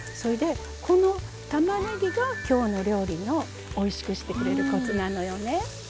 この、たまねぎが今日の料理のおいしくしてくれるコツなのよね。